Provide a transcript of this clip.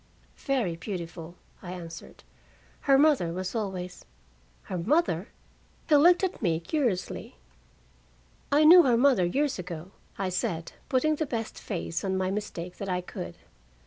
"Very beautiful," I answered. "Her mother was always " "Her mother!" He looked at me curiously. "I knew her mother years ago," I said, putting the best face on my mistake that I could.